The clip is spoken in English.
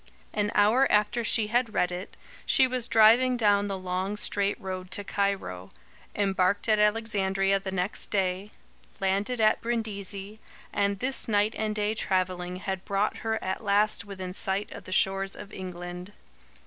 An hour after she had read it, she was driving down the long straight road to Cairo; embarked at Alexandria the next day; landed at Brindisi, and this night and day travelling had brought her at last within sight of the shores of England.